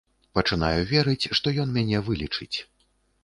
Пачынаю верыць, што ён мяне вылечыць.